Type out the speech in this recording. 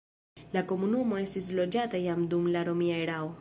La komunumo estis loĝata jam dum la romia erao.